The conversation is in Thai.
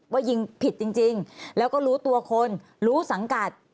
ว่ายิงผิดจริงแล้วก็รู้ตัวคนรู้สังกัด